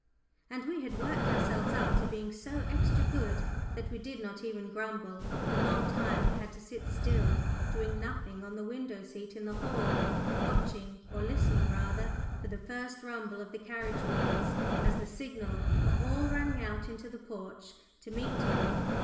And we had worked ourselves up to being so extra good, that we did not even grumble at the long time we had to sit still doing nothing on the window seat in the hall, watching, or listening rather, for the first rumble of the carriage wheels as the signal for all running out into the porch to meet him.